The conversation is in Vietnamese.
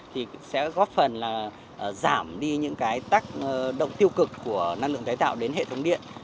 thì sẽ góp phần là giảm đi những cái tác động tiêu cực của năng lượng tái tạo đến hệ thống điện